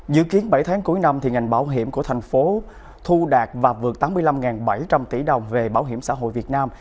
dự kiến bảy tháng cuối năm ngành bảo hiểm của thành phố thu đạt và vượt tám mươi năm bảy trăm linh tỷ đồng về bảo hiểm xã hội việt nam